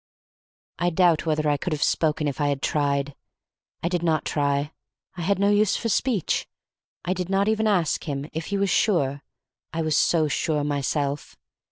I doubt whether I could have spoken if I had tried. I did not try. I had no use for speech. I did not even ask him if he was sure, I was so sure myself.